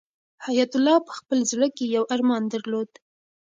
حیات الله په خپل زړه کې یو ارمان درلود.